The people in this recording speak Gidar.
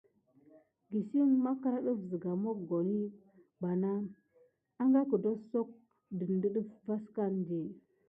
Kisin magra def siga mokoni vana wukisie barbar kedonsok detine di sika.